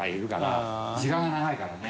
時間が長いからね。